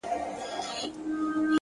زحمت د هیلو ژبه ده،